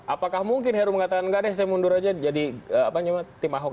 apakah mungkin heru mengatakan enggak deh saya mundur aja jadi tim ahok